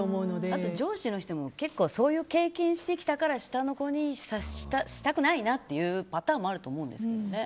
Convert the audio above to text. あと上司の人もそういう経験してきたから下の子にしたくないなっていうパターンもあると思いますけどね。